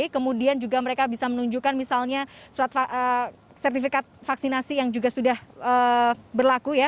kemudian juga mereka bisa menunjukkan misalnya surat sertifikat vaksinasi yang juga sudah berlaku ya